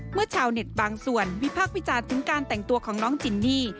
ชาวเน็ตบางส่วนวิพากษ์วิจารณ์ถึงการแต่งตัวของน้องจินนี่